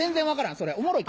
それおもろいか？